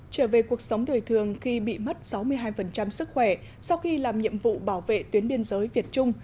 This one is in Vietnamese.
trở về cuộc sống đời thường khi bị mất sáu mươi hai sức khỏe sau khi làm nhiệm vụ bảo vệ tuyến biên giới việt trung